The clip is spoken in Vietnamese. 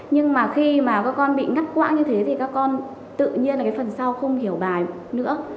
nhưng mà khi mà các con bị ngắt quãng như thế thì các con tự nhiên là cái phần sau không hiểu bài nữa